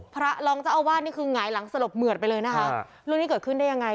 พระรองเจ้าอาวาสนี่คือหงายหลังสลบเหมือดไปเลยนะคะเรื่องนี้เกิดขึ้นได้ยังไง